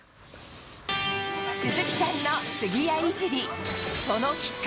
鈴木さんの杉谷いじり。